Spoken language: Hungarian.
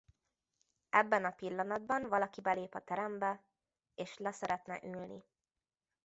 Ebben a pillanatban valaki belép a terembe és le szeretne ülni.